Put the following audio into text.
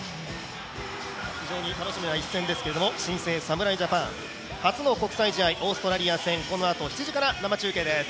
非常に楽しみな一戦ですけれども、新生侍ジャパン、初の国際試合、オーストラリア戦このあと７時から生中継です。